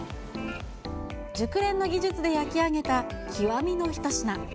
熟練の技術で焼き上げた極みの一品。